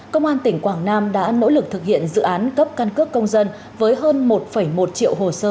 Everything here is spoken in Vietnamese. công an tỉnh quảng nam đã nỗ lực thực hiện dự án cấp căn cước công dân với hơn một một triệu hồ sơ